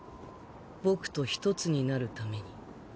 僕と１つになるために。